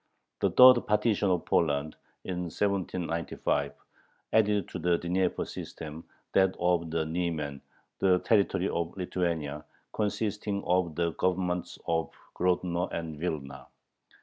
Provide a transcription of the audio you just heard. The third partition of Poland, in 1795, added to the Dnieper system that of the Niemen, the territory of Lithuania, consisting of the Governments of Grodno and Vilna.